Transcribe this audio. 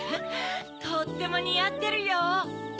とってもにあってるよ。